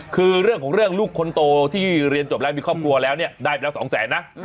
คือเรื่องของเรื่องลูกคนโตที่เรียนจบแล้วมีครอบครัวแล้วเนี่ยได้ไปแล้ว๒แสนนะ